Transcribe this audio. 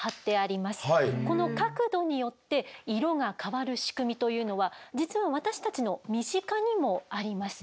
この角度によって色が変わる仕組みというのは実は私たちの身近にもあります。